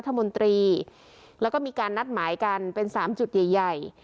มนตรีแล้วก็มีการนัดหมายกันเป็นสามจุดใหญ่ใหญ่